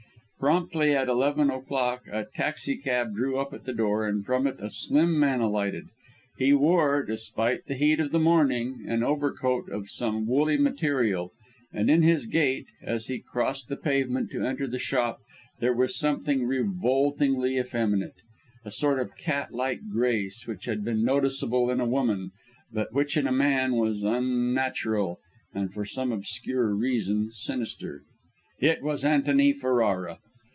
Promptly at eleven o'clock a taxi cab drew up at the door, and from it a slim man alighted. He wore, despite the heat of the morning, an overcoat of some woolly material; and in his gait, as he crossed the pavement to enter the shop, there was something revoltingly effeminate; a sort of cat like grace which had been noticeable in a woman, but which in a man was unnatural, and for some obscure reason, sinister. It was Antony Ferrara!